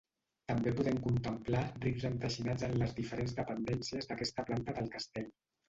També podem contemplar rics enteixinats en les diferents dependències d'aquesta planta del castell.